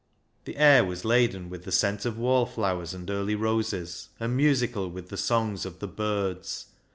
The air was laden with the scent of wallflowers and early roses, and musical with the songs of the birds.